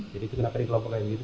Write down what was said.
jadi kenapa di kelompok kayak gitu